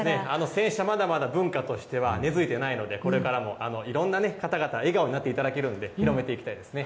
洗車、まだまだ文化としては根づいてないので、これからも、いろんな方々、笑顔になっていただけるんで、広めていきたいですね。